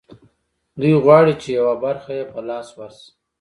دوی غواړي چې یوه برخه یې په لاس ورشي